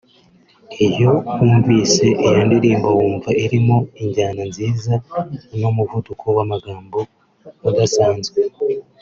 Iyo wumvise iyo ndirimbo wumva irimo injyana nziza n’umuvuduko w’amagambo udasanzwe